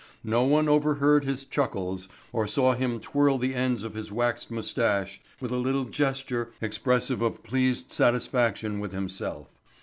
No one overheard his chuckles or saw him twirl the ends of his waxed moustache with a little gesture expressive of pleased satisfaction with himself.